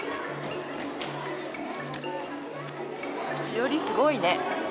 しおりすごいね。